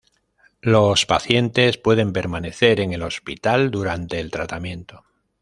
Los pacientes pueden permanecer en el hospital durante el tratamiento.